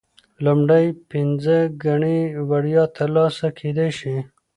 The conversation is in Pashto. لومړۍ پنځه ګڼې وړیا ترلاسه کیدی شي.